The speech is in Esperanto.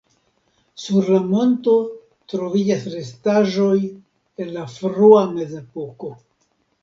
Sur la monto troviĝas restaĵoj el la frua mezepoko.